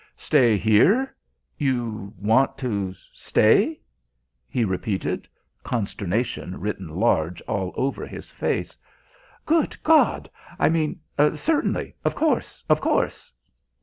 "Stay here? You want to stay?" he repeated, consternation written large all over his face. "Good G I mean certainly, of course, of course."